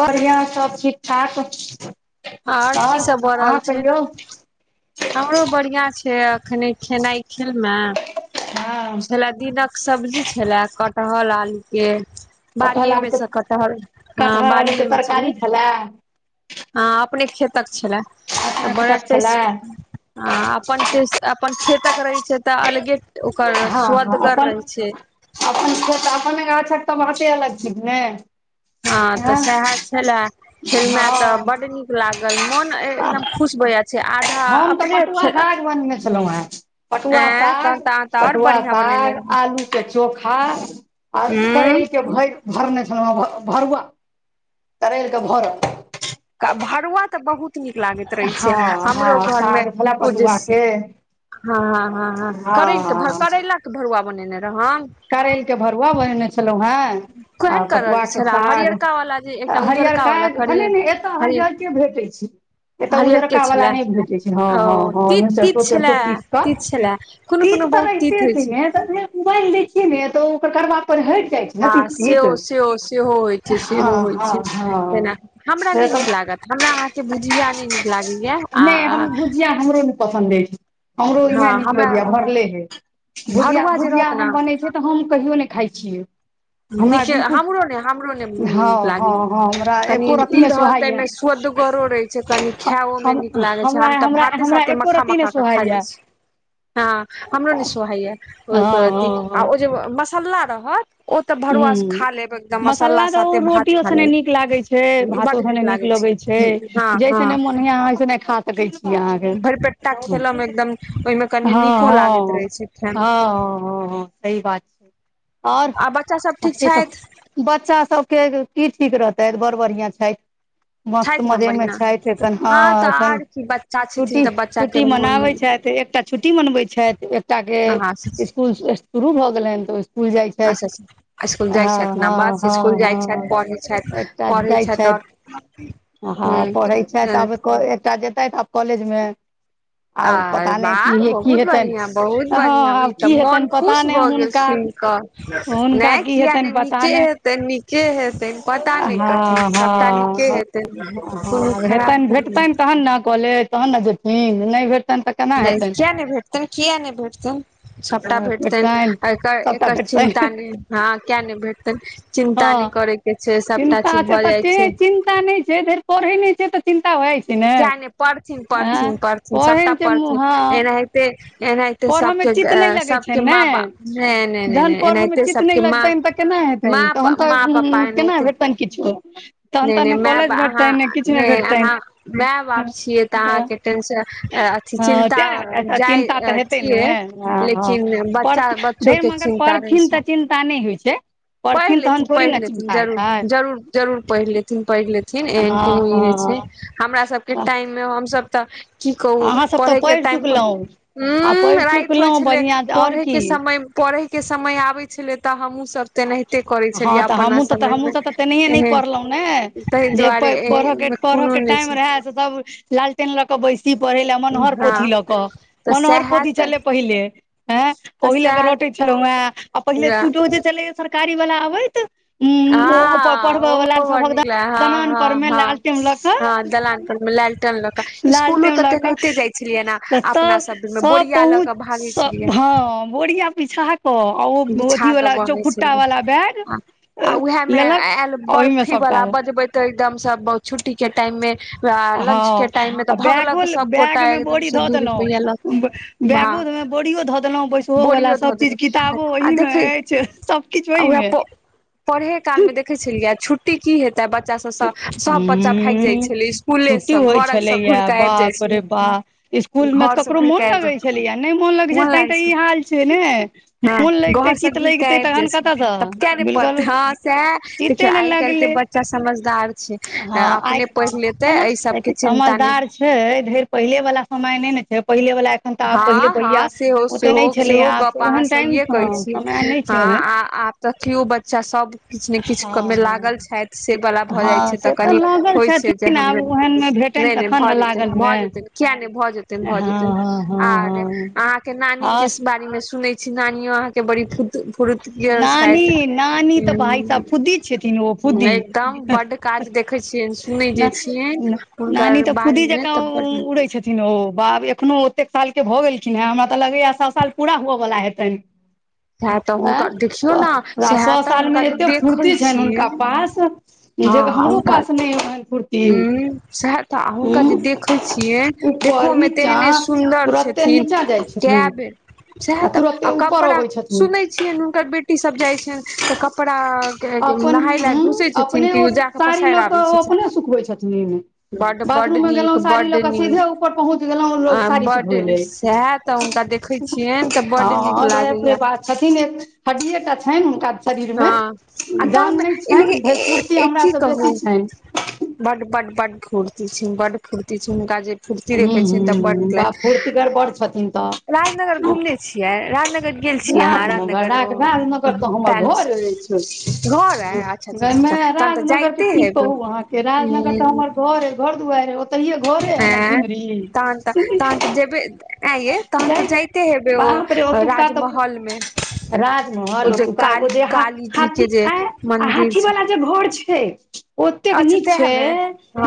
और की हाल- चाल सब ठीक-ठाक ओर अहाँ कहियौ? हमरो बढ़िया छै, अखने खेनाइ खेलौं हें दिनक सब्जी छले कटहल आलू के बाड़िएमे सँ कटहल हँ, बाड़िएमे छलै। हँ, अपने खेतक छलए तऽ बड़ा टेस्ट आ अपन, अपन खेतक रहै छै तऽ अलगे ओकर स्वदगर रहै छैय। अपन खेत अपन रहै छैय तऽ बाते अलग छैय ने। हँ, तऽ सएह छले खेल मे तऽ बड नीक लागल मन एकदम खुश भऽ जाइ छैय, आधा अपने खेलक पटुआ साग, पटुआ साग, आलू के चोखा। आर करैलके भरि भरने छलहुँ हँ भरुआ करैलके भरऽ भरुआ तऽ बहुत नीक लागैत रहै छैय हमरो घरमे ओ जे हँ- हँ- हँ करैल के करैलाक के भरुआ बनेने रहन। करैल के भरुआ बनेने छलौं हें आ पटुआके साग आ हरियरका भने नइ एत हरियर के भेटै छै। एतऽ उजरका वला नहि भेटै छैय। हँ- हँ-हँ ओहिमे सरसो तरसो पीस कऽ। तीत त रहिते हेतय यै तऽ फेर बान्हि दै छियै ने तऽ ओकर बाद हँ से हो से हो से हो होइ छै, से हो होइ छै हेना हमरा नहि नीक लागत हमरा अहाँके भुजिआ नहि नीक लागैया आ भुजिया हमरो नहि पसन्द अइछ। हमरो इएह नीक लगैये भरलेहे। भुजिया, भुजिया हम बनै छैय तऽ हम कहियो नहि खाइ छियै। नीके हमरो नहि, हमरो नहि नीक लागैया कनी ई रहल तऽ एहिमे सुअदगरो रहै छैय कनी खाओमे नीक लागै छैय। हम तऽ भाते साथे मखा- मखा कऽ खा जाइ छी। हँ हमरो नहि सोहाइए ओहिप अ - आ ओ जे मसाला रहत ह मसाला तऽ ओ रोटियो सने नीक लागैत छै भातो सने नीक लगैत छै। जैसने मन होइये ओय सने खा सकय छी अहाँके, हँ- हँ। हँ- हँ- हँ, सही बात छैय। आ बच्चा सब। आ की सब, बच्चा सभके की ठीक रहतै बड़ बढ़िआँ छैय। मस्त मजेमे छथि एखन। हँ एखन छुट्टी, छुट्टी मनाबै छथि एक एकटा छुट्टी मनबैत छथि एकटाके इसकुल शुरू भऽ गेलैनि तऽ इसकुल जाइ छथि। इसकुल जाइ छथि ने बस इसकुल जाइ छथि पढ़ै छथि, पढ़ै छथि और। हँ पढ़ैत छथि आब एक, एकटा जेतथि आब कॉलेजमे। आब पता नइ की यै की हेतनि। हँ आब की हेतनि पता नइ हुनका। हुनका की हेतनि पता नै। हँ हँ हँ ह हँ हेतैन भेटतैन तहन न कॉलेज, तहन न जेथिन। नहि भेट नै किया नै भेटतेन? किया नै भेटतेन? सभटा भेटतैन। आ एकर एकर चिन्ता नहि हाँ किया नै भेटतैन? चिन्ता नै करय के छै। सभटा चीज भऽ जाइ छै। पता नहि छै धइर पढ़ै नहि छै तऽ चिन्ता होई छै ने! किया नै पढ़थिन- पढ़थिन- पढ़थिन सबटा पढ़थिन। एनाहिते -एनाहिते ए सबके सबके माँ बाप नहि नहि नहि एनाहिते सबके माँ केना हेतैन, तहन तऽ केना भेटतैन किछु? नै नै मैप अहाँ नै अहाँ माय बाप छियै तऽ अहाँके टेंशन अथी चिन्ता जाइ कि यै, लेकिन बच्चा बच्चो के चिन्ता रहै छै। पइढ़ लेथिन पइढ़ लेथिन जरूर जरूर जरूर- जरूर पइढ़ लेथिन, पइढ़ लेथिन, एहेन कोनो ई नै छै हमरा सबके टाइम मे हमसब तऽ की कहू पढ़ैके टाइम पर, हम्म राइत होइ छलै पढ़ैके समय पढ़ैके समय आबै छलै तऽ हमहूँ सभ तेनाहिते करै छलियै अपना समयमे एहेन नै जे पै पढ़ऽ के, पढ़ऽ के, टाइम रेहा से सब लालटेन ल क बैसल इ पढ़ै लए मनोहर पोथी लऽ कऽ, मनोहर पोथी छलै पहिले। हँ, ओहि लए कऽ रोटे छलहु हेँ, आ पहिले चूटो [unintelligible] जे छलै सरकारी बला आबैत। ऊ, ओ पढ़बै बला सभक दलान पर मे लालटेम ल कऽ। लालटेम लऽ कऽ त सब-सब पहुँच सब हँ बोरिया बिछा कऽ, आ ओ अथीवला चौखुट आ उएह मे ऐल बर्फी बला बजबैत। तै दम सब स बहुत छुट्टी के टाइम मे, लंच के टाइम मे तऽ भगलक सब गोटा एकदम स दू रुपआ लऽ कऽ। बैगो में बोड़ियो धऽ देलों बैसबो बला सब चीज किताबो ओहिमे अइछ? सबकिछ ओहिमे? देखै छलिया छुट्टी की हेतै? तै बच्चासस सब बच्चा भाएग जाइ छलै। इसकुल्लेसँ घर लग सँ घुर कऽ आबि जाइ छलै। इसकुल म ककरो मोन लगै छेलैया? नै मोन लगे छै, तैं तऽ ई हाल छै ने। मोन घर स घुइर क आइब जाइ छैलया, तब किया नै पढ़ते? हाँ सएह देखियौ आइ काल्हि के बच्च चा समझदार छै। अपने पढ़ि लेतै एहि सबके चिन्ता नै छै धैर पहिले बला समय नै ने छै। पहिले बला हँ हँ सेहो- सेहो- सेहो गप अहाँ सहिए कहै छियै। हँ आ आ तथियो बच्चा सब किछ- नै -किछ क मे लागल छैथ। से बला भऽ जाइ छै तऽ कनि होइ छै जे हमर, नै -नै भऽ जेतैन भऽ जेतैन। किया नै भऽ जेतैन भऽ जेतैन। आर अहाँ के नानी के स बारे में सुनै छी, नानियो अहाँ के बड़ी फुर्त फुर [unintelligible] छैथ एकदम बड काज देखेै छियनि, सुने जे छियैन हुनकर बारे में तब बड़ नीक पुरै छथिन ओ, बाप ए एखनो ओतेक साल के भऽ गेलखिन हेँ, हमरा तऽ लगैये सौ साल पूरा हुअ बला हेतैन। वै-वैह-वै सौ सालमे एतै फूर्ती छैन हुनका पास जे हमरो पास नै अइ एहन फुर हू सैह तऽ आ हुनका जे देखे छियैन देखहो मे तेहने सुन्दर छथि- थिन आ कै बेर सेह त आ कपड़ा सुनै छियैन हुनकर बेटी सब जाय छैन तऽ कपड़ा अपन ऊ अपने ओ साड़ी लऽ कऽ ओ अपने सुखबै छथिन बाथरूममे गेलौ साड़ी लऽ कऽ सीधे ऊपर पहुँच गेलौ रौ साड़ी सुखबय लेल हँ अरे बाप-रे-बाप छथिन हड्डीये टा छनि हुनका शरीरमे जान नै छनि धैर फूर्ति हमरा सँ बेसी छैन। बड-बड- बड फूर्ती छैन, बड फुर्ती छैन हुनका जे फुर्ती देखै छियन तऽ बड्ड नीक लागयै। अए बड़ छथिन तऽ राजनगर घूमने छियै राजनगर राजनगर, राजगारनगर तऽ हमर घर अछि, गै मेै राजनगर के की कहू अहाँके राजनगर तऽ हमर घर अइ घर -दुआरि अइ ओ- ओतयै घरे यै हमर सिमरी सिमरी ऐ येै तहन तऽ जैते हेबै ओ राजमहल मे राजमहल ओतुका ओ जे हा-हाथी ऐ आ हाथी वाला जे घोर छै। ठीक ओतेक नीक छै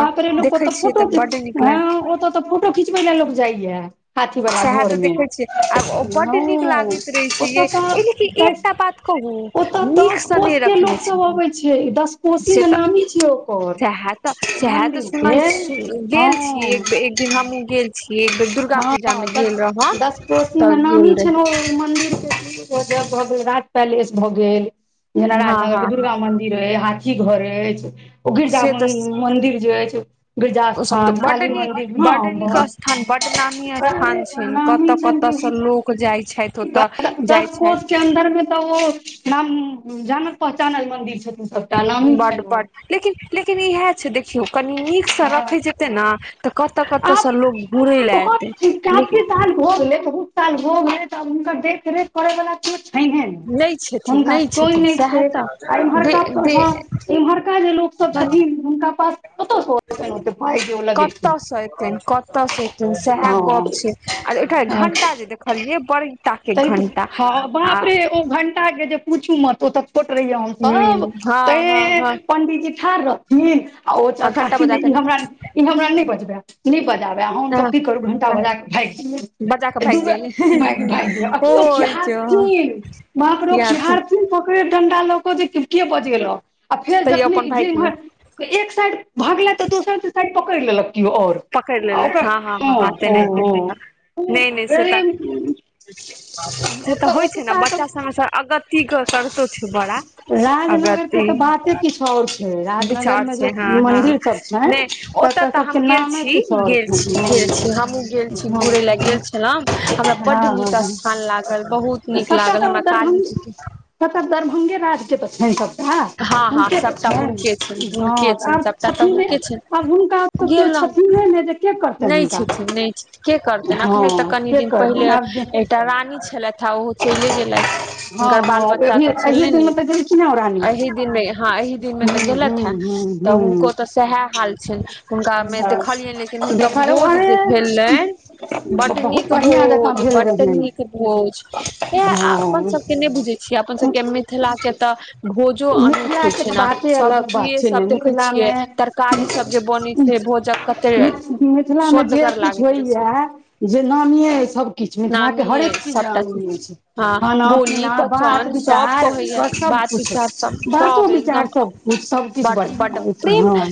बापरे लोक ओत फोटो [inaudible] ओत तऽ फोट- टो खीचबै ला लोक जाइयै हाथी बला घोर मे हँ ओत तऽ [unintelligible] ओतऽ दस कोश के लोक सब अबै छै, दस-कोशी मे नामी छै ओकर मन्दिर के हँ एक दिन हमहुँ गेल छियै एक बेर दुर्गा ह दस दस कोशी मे नामी छैन ओ ओए मन्दिर के कि भऽ गेल, राज पैलेस भऽ गेल, जेना राजनगर के दुर्गा मन्दिर [inaudible] हाथी घर अछि। ओ गिरिजा मंदिर जे अछि गिरिजास्थान काली मंदिर हँ बहोत ह स्थान बड्ड नामी स्थान छैन कत-कत सऽ लोक जाय छथि ओत दस कोष के अन्दर मे तऽ ओ नाम जानक पहचानल मंदिर छथि। बड पट लेकिन-लेकिन ईहे छै देखियौ कनी नीकसँ रखै जेतै न तऽ कत-कतसँ लोक घुरै लै एतै काफी साल भ गेलै बहुत साल भ गेलै त आब हुनकर देखरेख करै वला कियो छइनै ने हुनका कोइ नहि छै आ इमहरका प- एमहरका जे लोक सब छथिन हुनका पास कत स कतऽसँ एतनि कतऽसँ एतनि सैह गप छै आ ऐटा घंटा जे देखलियै बड़ी टा के घंटा आ ओ घण्टा के जे पूछू मत ओ तऽ छोट रहिय हमसब तऽ ऐऽ पंडीजी ठाड़ रह थिन आ ओ चच्चा चिन्हे ई हमरा ई हमरा नहि बजबै नहि बजाबै हमसब की करू घण्टा बजा कऽ भाईग जियै। एक दु बेर भाइग भाइग जैये आ कियो खिहारथीन बापरो खिहार- पकइर डंडा लकऽ जे के बजैलक आ फेर जखने जे इमहर एक साइड भगलै तऽ दोसर साइड पकड़ि लेलक कियो ओर आ ओकर हँ-ह-ह [inaudible] से त होय छय न, बच्चा सभमे स अगतिके करतो छय बरा, अगत ति, विचार छै हं- हं, नहि ओतऽ तऽ हम गेल- छी गेल छी, गेल छी, हमहुँ गेल छी घूुरेले गेंल छलो, हमरा बड नीक स्था थान लागल, बहुत निक लागल, हमरा कालीजीे के कत, दरभंगे राजके त छनि, सबटा। हं-हं सबटा हुनके छनि, हुनके छनि, सबटा तऽ हुनके छनि। गेलहुँ, नहि छथिन नहि छथिन के करतैन, अखने तऽ कनि दिन पहिले एक एकटा रानी छलथि ओहो चलिे गेलथि, हुनकर बाल बच्चा त छलनि नय। अहि दिन मे हा एही दिन मे तऽ गेलथि हे, तऽ हुनको तऽ सैह हाल छनि, हुनका मे देखलियनि, लेकिन हुनका भोज जे भेलनि। बड नीक भोज, बड नीक भोज, येह अपन सब के नहि बुझे झी, अपन सब के मिथिला केत भोजो अनूप होइ छै न, सब्जीेये सब देखय छिय, तरकारी सब जे बने छै भोज। मि- मिथिलामे जे किछु होइए, जे नामीये सब किछ, मिथिला के हरेक चीज नामी होय छै। खाना पीना बात विचार व सबकुछ। बातो विचार सबकुछ, सबकिछ बढ़ियां रहय छय हं।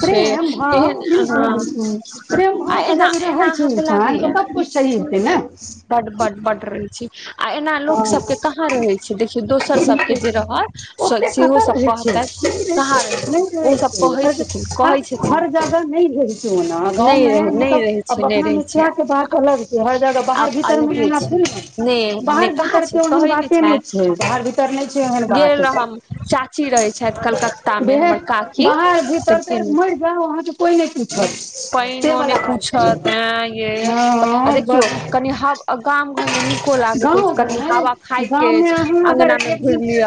प्रेम भाव, बिलकुल -बिलकुल प्रेम भाव स जब रहय। इंसान के सब कुछ चाहिये हेतय न। बड- बड -बड रहय छी, आ ऐना लोक सब के कहां कहां रहय छी, देखयो दोसर सबके जे रहत, साॅ सेहो सब कहतेत, कहां रहय छी। [inaudible] हर जगह नहि भेजय छय ओना, गाँव में मतलब आब अपना मिथिला के बात अलग छै, हर जगह बाहर भीतर मे एना थोरे रहतय‌। नहि -नहि कहां छय, कहय नय। छें, गेल रहम, चाची रहय छथि कलकत्त ता में, हमर काकी, तते में पनि नय पूछत, ऐं य देखियौ कनि हवा। गाम घर में नी को लागैत अछि, कनि हवा खाय के अछि, अंगना मे घुर लिय।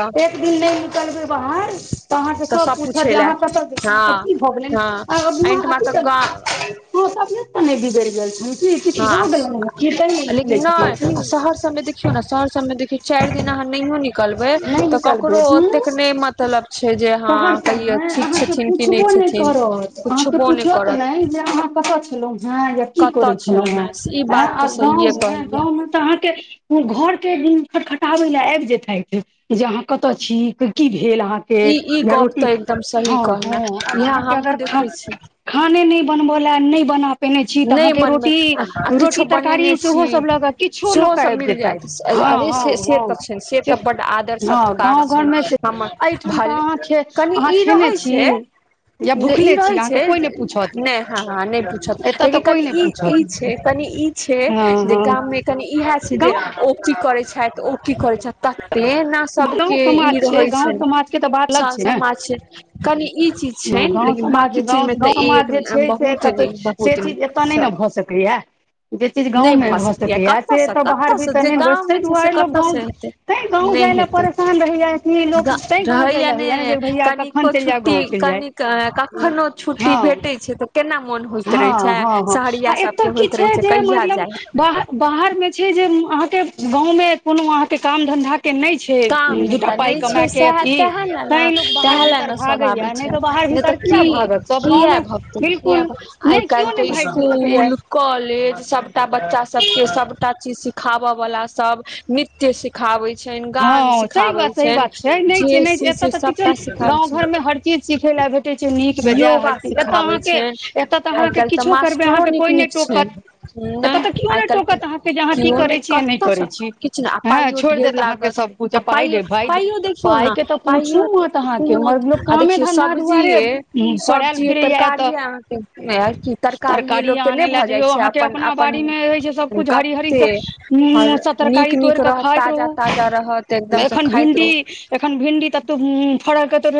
तऽ सब पुछेले ऐत, हं- हं एनठमा तऽ गांव तो तबियत त नहि बिगड़ गेल छनि की, कीछ भ गेलन हैं की, ते नय निकलय छथिन की। सबमे देखियौ न, शहर सब देखियौ चारि दिन अहां नही हो नहि निकलबय हुं शहर सभमे अहां पुछबो नय करत, अहां के पुछत नय जे अहां कत छलों यें ऐ कि करय छलौंहे ऐं गांव मे गांव में तऽ अहांके घर के एक दिन खट खटाबै ले ऐब जेतैथ, जे अहां कत छी। की भेल अहां के या रोटी हं -हं आब अहां के अगर खां खाने नहि बनबोला, नहि बनत। नहि बनबै, आ किछो बनेने छी, सेहो सब मिल जेत। अरे से - से तऽ छैन से तऽ बड्ड आदर सत्कार छै, हमर भल कनि ई रहय छय। इ रहै छै, नहि ह- ह नहि पूछत। लेकि कनि ई -ई छै, कनि ई छै जे गाममे कनि इऐह छै जे ओ की करे छैथ, ओ की करै छैथ, तते नास, सबके ई रहै छै, सर समाज छै, कनि ई चीज। छनि लेकिन बांकी चीजमे त एक न बहुत नीक ब से चीज एत नै ने भ सकैए। जे चीज गाँवमे भ सकैया से एत बाहर भी तर नै भ स, तैं दुआरे लोक गाँव जै तैं गाँव जाइ ले परेशान रहैये एखने लोक तैं गाँव जाइले होइया ने, जे भैया कखन चलि जाएब गाँव चलि जाइ। त कखनो छुट्टी भेटै छै त केना मोन होइ हं-हं-ह़ आ एत की छै जे मतलब बाहर बाहर मे छै जे अहाँके गाँंवमे कोनो अहाँके काम धंधा के नै छै दूटा पाइ कमाइके अथी तैं लोक बाहर भीतर भागैए नै त बाहर भीतर किए भागत सब गाँव मे बिलकुल नै किओ नै भागि सकैये। कॉलेज सबटा बच्चा सबके सबटा चीज सिखाब वला सब नित त्य सिखाबै छनि। गान सिखाबै छनि जे छै से सबटा सिखाबै छनि। योगा सिखाबै छै, आइ काल्हि त मास्टरो नीक नीक छनि। नै आइ कालि त कियो नै कतौ सं किछ नै आ पाइयो ढेर लागत। आ पाइयो, पाइयो देखियौ न पाइयो क कुन आ देखियौ सब्जि सब्जिए तरकारिए अहाँके नै ऐ, की तरकारिए लोकके नै भ जाइ छै आब अपन अपन कते हर नीक नीक रहत ताजा ताजा त रहत। नै एखन भिन्डी एखन भिन्डी तते फरल कते रहय।